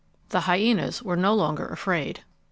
The hyenas were no longer afraid.